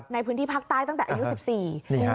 ในพื้นที่ภาคใต้ตั้งแต่อายุ๑๔